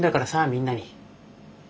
みんなに。